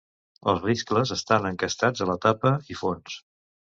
Els riscles estan encastats a la tapa i fons.